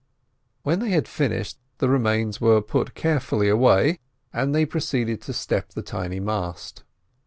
When they had finished, the remains were put carefully away, and they proceeded to step the tiny mast.